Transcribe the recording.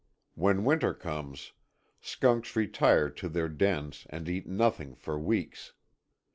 When winter comes, skunks retire to their dens and eat nothing for weeks.